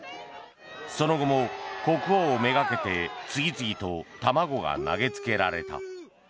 その後も国王めがけて次々と卵が投げつけられた。